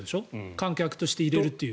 観客として入れるという。